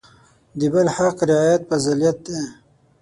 د بل د حق رعایت فضیلت دی.